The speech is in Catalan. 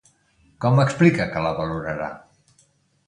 Com explica que la valorarà?